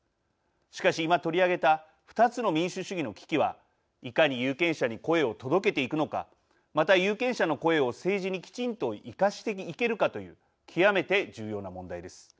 しかし、今取り上げた２つの民主主義の危機はいかに有権者に声を届けていくのかまた有権者の声を政治にきちんと生かしていけるかという極めて重要な問題です。